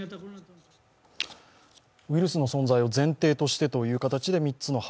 ウイルスの存在を前提としてという形で３つの柱。